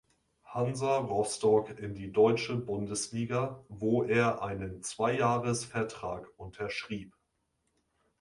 Hansa Rostock in die deutsche Bundesliga, wo er einen Zweijahres-Vertrag unterschrieb.